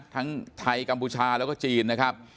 ทั้งไทยกัมพูชาแล้วก็จีน